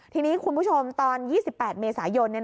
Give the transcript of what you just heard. ทีนี้คุณผู้ชมตอน๒๘เมษายน